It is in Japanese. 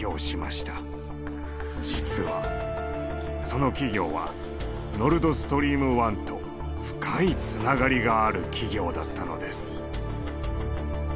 実はその企業はノルドストリーム１と深いつながりがある企業だったのです。